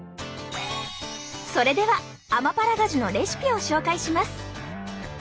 それではアマパラガジュのレシピを紹介します。